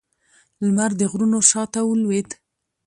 لمر د غرونو شا ته ولوېد